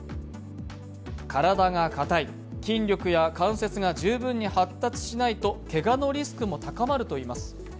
体が硬い、筋力や関節が十分発達しないとけがのリスクも高まるといいます。